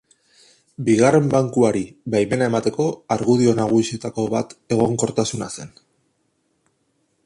Bigarren Bankuari baimena emateko argudio nagusietako bat egonkortasuna zen.